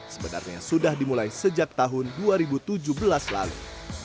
sebenarnya sudah dimulai sejak tahun dua ribu tujuh belas lalu